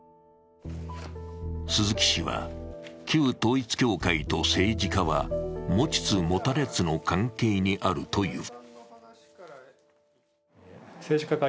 鈴木氏は旧統一教会と政治家は持ちつ持たれつの関係にあるという。